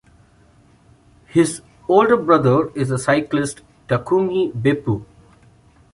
His older brother is the cyclist Takumi Beppu.